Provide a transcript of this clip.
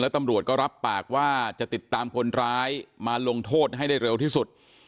ตำรวจก็รับปากว่าจะติดตามคนร้ายมาลงโทษให้ได้เร็วที่สุด